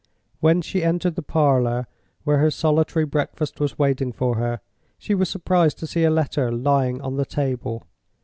When she entered the parlor where her solitary breakfast was waiting for her, she was surprised to see a letter lying on the table.